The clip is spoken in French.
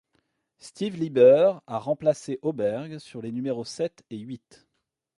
Steve Lieber a remplacé Hoberg sur les numéros sept et huit.